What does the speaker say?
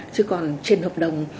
chứ còn trên hợp đồng